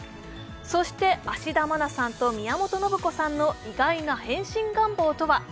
そして芦田愛菜さんと宮本信子さんの意外な変身願望とは？